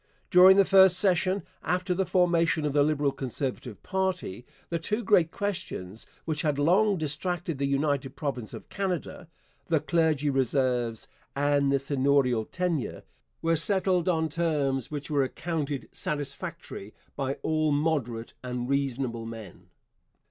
During the first session after the formation of the Liberal Conservative party the two great questions which had long distracted the united province of Canada the Clergy Reserves and the Seigneurial Tenure were settled on terms which were accounted satisfactory by all moderate and reasonable men.